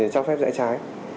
cho phép dạy trái